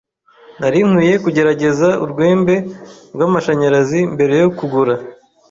Nari nkwiye kugerageza urwembe rwamashanyarazi mbere yo kugura.